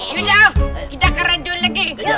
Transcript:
gede kita keraduin lagi